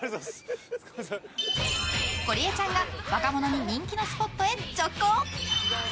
ゴリエちゃんが若者に人気のスポットへ直行。